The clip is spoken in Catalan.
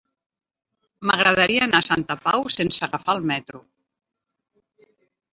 M'agradaria anar a Santa Pau sense agafar el metro.